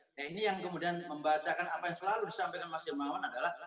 nah ini yang kemudian membahasakan apa yang selalu disampaikan mas jermawan adalah